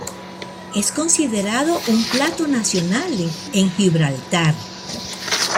Es considerado un plato nacional en Gibraltar.